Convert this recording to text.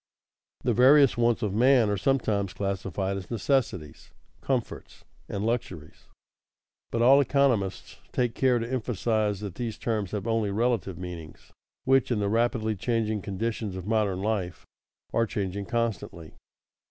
The various wants of man are sometimes classified as necessities, comforts, and luxuries, but all economists take care to emphasize that these terms have only relative meanings which, in the rapidly changing conditions of modern life, are changing constantly.